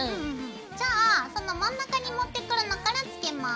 じゃあその真ん中に持ってくるのからつけます。